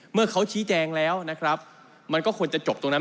เมื่อเขาชี้แจงแล้วนะครับมันก็ควรจะจบตรงนั้น